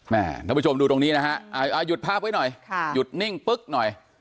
ท่านผู้ชมดูตรงนี้นะฮะหยุดภาพไว้หน่อยหยุดนิ่งปึ๊กหน่อย